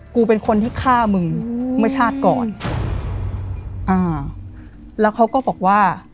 กูเป็นคนที่ฆ่ามึงเมื่อชาติก่อนอ่าแล้วเขาก็บอกว่า